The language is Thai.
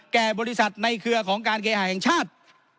แก่บริษัทในเครือของการเคหาแห่งชาติ